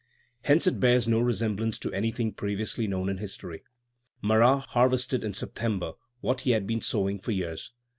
Hence it bears no resemblance to anything previously known in history. Marat harvested in September what he had been sowing for three years."